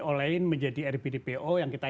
online menjadi rpdpo yang kita